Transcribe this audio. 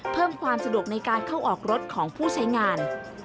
เพิ่มความสะดวกในการเข้าออกรถของผู้ใช้งาน